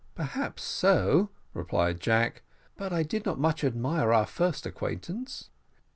"Perhaps so," replied Jack: "but I did not much admire our first acquaintance."